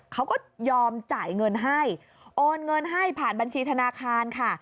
เขาก็ยอมจ่ายเงินให้โอนเงินให้ผ่านบัญชีธนาคารค่ะ